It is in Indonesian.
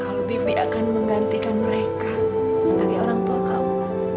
kalau bibi akan menggantikan mereka sebagai orang tua kamu